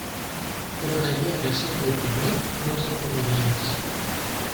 Però caldria resoldre-hi primer molts inconvenients.